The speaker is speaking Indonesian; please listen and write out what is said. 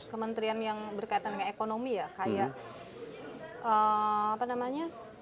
kementerian yang berkaitan dengan ekonomi ya kayak apa namanya